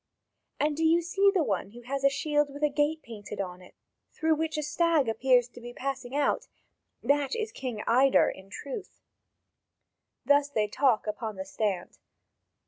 And do you see the one who has a shield with a gate painted on it, through which a stag appears to be passing out? That is King Ider, in truth." Thus they talk up in the stand.